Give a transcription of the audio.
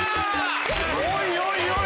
おいおいおい！